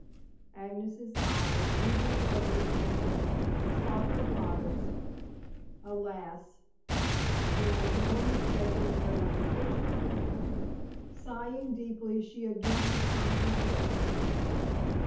Agnes's eyes, leaving Frederick's for a moment, sought her father's. Alas! there was no mistaking their language. Sighing deeply, she again hung her head.